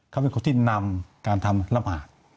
เขาเป็นคนที่นำการทำระบาด